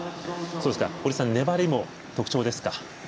堀さん、粘りも特徴ですか？